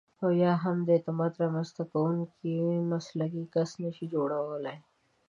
او یا هم د اعتماد رامنځته کوونکی مسلکي کس نشئ جوړولای.